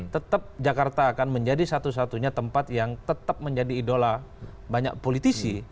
tetap jakarta akan menjadi satu satunya tempat yang tetap menjadi idola banyak politisi